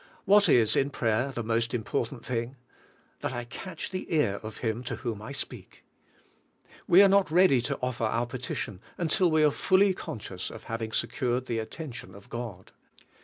What is, in prayer, the most important thing? That I catch the ear of Him to whom I speak. We are not ready to offer our petition until we are fully conscious of having secured the attention of God.